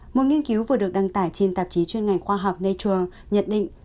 một nghiên cứu vừa được đăng tải trên tạp chí chuyên ngành khoa học nature nhận định